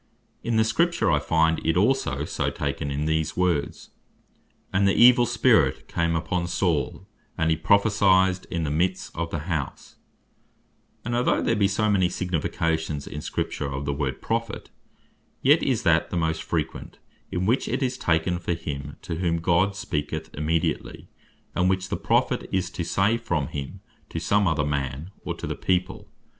In the Scripture I find it also so taken (1 Sam. 18. 10.) in these words, "And the Evill spirit came upon Saul, and he Prophecyed in the midst of the house." The Manner How God Hath Spoken To The Prophets And although there be so many significations in Scripture of the word Prophet; yet is that the most frequent, in which it is taken for him, to whom God speaketh immediately, that which the Prophet is to say from him, to some other man, or to the people.